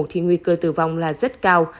thì nguy cơ tử vong là rất cao